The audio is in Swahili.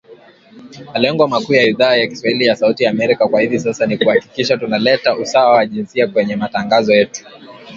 Malengo makuu ya Idhaa ya kiswahili ya Sauti ya Amerika kwa hivi sasa ni kuhakikisha tuna leta usawa wa jinsia kwenye matangazo yetu .